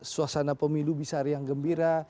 suasana pemilu bisa riang gembira